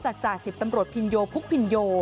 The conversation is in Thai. จ่าสิบตำรวจพินโยพุกพินโย